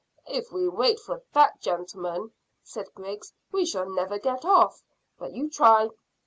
"If we wait for that, gentlemen," said Griggs, "we shall never get off. But you try."